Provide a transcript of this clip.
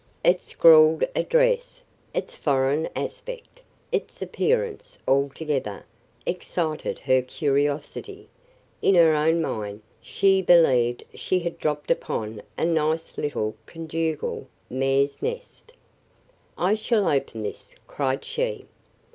Its scrawled address, its foreign aspect, its appearance, altogether, excited her curiosity; in her own mind, she believed she had dropped upon a nice little conjugal mare's nest. "I shall open this," cried she.